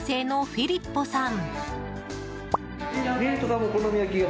フィリッポさん